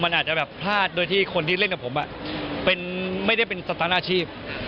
มันอาจจะแบบพลาดโดยที่คนที่เล่นกับผมไม่ได้เป็นสตันอาชีพ